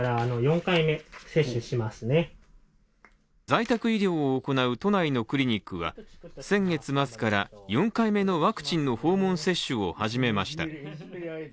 在宅医療を行う都内のクリニックは先月末から４回目のワクチンの訪問接種を始めました。